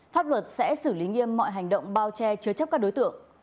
pháp luật sẽ xử lý nghiêm mọi hành động bao che chứa chấp các đối tượng